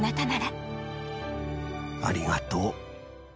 ありがとう。